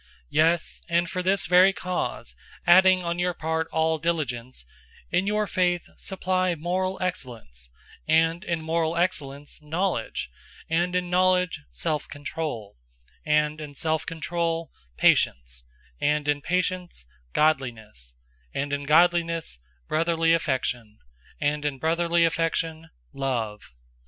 001:005 Yes, and for this very cause adding on your part all diligence, in your faith supply moral excellence; and in moral excellence, knowledge; 001:006 and in knowledge, self control; and in self control patience; and in patience godliness; 001:007 and in godliness brotherly affection; and in brotherly affection, love.